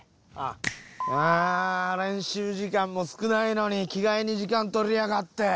ああ練習時間も少ないのに着替えに時間取りやがって。